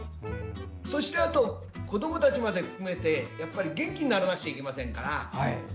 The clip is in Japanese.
そして、子どもたちまで含めて元気にならなきゃいけませんから。